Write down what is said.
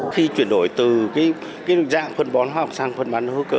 khi chuyển đổi từ cái dạng phân bón hóa học sang phân bán hữu cơ